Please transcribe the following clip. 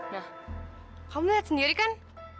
nah kamu lihat sendiri kan